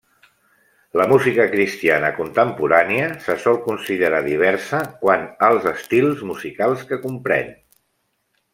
La música cristiana contemporània se sol considerar diversa quant als estils musicals que comprèn.